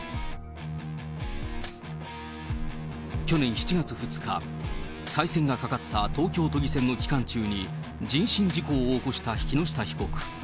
去年７月２日、再選がかかった東京都議選の期間中に人身事故を起こした木下被告。